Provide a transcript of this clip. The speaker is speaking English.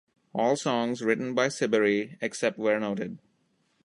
All songs written by Siberry, except where noted.